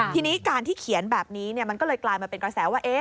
ทีนี้การที่เขียนแบบนี้มันก็เลยกลายมาเป็นกระแสว่า